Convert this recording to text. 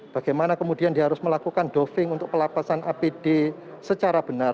bagaimana kemudian dia harus melakukan doving untuk pelepasan apd secara benar